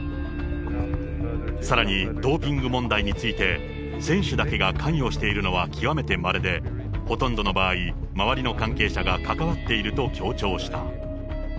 さらに、ドーピング問題について、選手だけが関与しているのは極めてまれで、ほとんどの場合、周りの関係者が関わっていると強調した。